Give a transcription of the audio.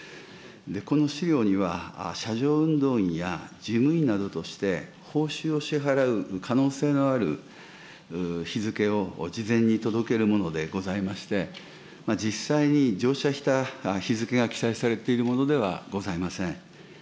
この資料には、車上運動員や事務員などとして、報酬を支払う可能性のある日付を事前に届けるものでございまして、実際に乗車した日付が記載されているものではございません。